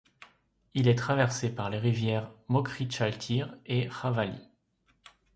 Il est traversé par les rivières Mokry Tchaltyr et Khavaly.